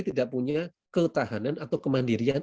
tidak punya ketahanan atau kemandirian